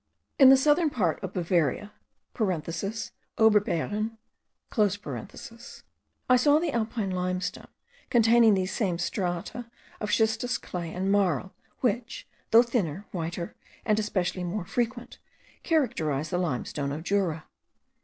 In the southern part of Bavaria (Oberbaiern), I saw the alpine limestone, containing these same strata of schistous clay and marl, which, though thinner, whiter, and especially more frequent, characterize the limestone of Jura.